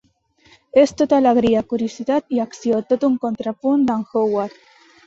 És tot alegria, curiositat i acció, tot un contrapunt d'en Howard.